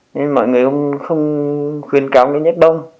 nên mọi người không khuyên cáo nhét bông